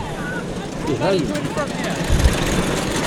Ihayen.